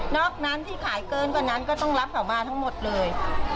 อกนั้นที่ขายเกินกว่านั้นก็ต้องรับเขามาทั้งหมดเลย